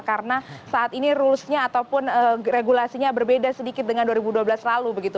karena saat ini rulesnya ataupun regulasinya berbeda sedikit dengan dua ribu dua belas lalu begitu